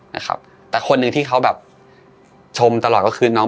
นะครับแต่คนหนึ่งที่เขาแบบชมตลอดก็คือน้อง